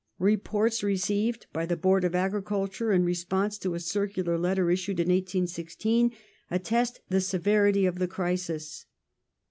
Reports received by the Board of Agriculture in response to a circular letter issued in 1816 attest the severity of the crisis.